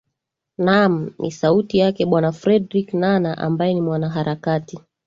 naam ni sauti yake bwana fredrick nana ambae ni mwanaharakati